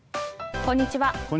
こんにちは。